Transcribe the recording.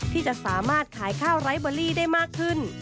ที่จะสามารถขายข้าวไร้เบอรี่ได้มากขึ้น